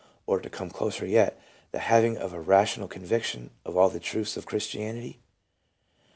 or (to come closer yet) the having a rational conviction of all the truths of Christianity